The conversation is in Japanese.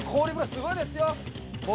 すごいですよ。